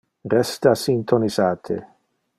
Resta syntonisate!